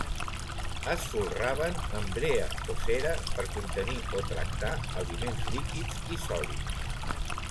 Es folraven amb brea o cera per contenir o tractar aliments líquids i sòlids.